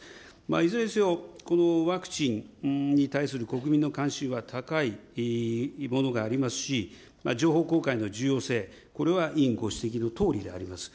いずれにせよ、このワクチンに対する国民の関心は高いものがありますし、情報公開の重要性、これは委員ご指摘のとおりであります。